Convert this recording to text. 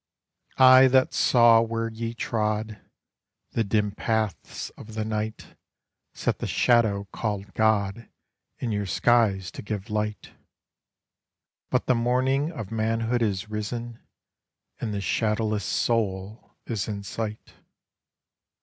I that saw where ye trod The dim paths of the night Set the shadow called God In your skies to give light; But the morning of manhood is risen, and the shadowless soul is in sight.